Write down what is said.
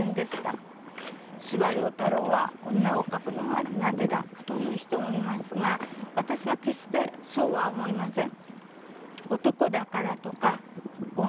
「司馬太郎は女を描くのが苦手だ」と言う人もいますが私は決してそうは思いません。